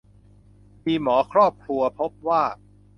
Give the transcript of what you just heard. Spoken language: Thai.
ทีมหมอครอบครัวพบว่า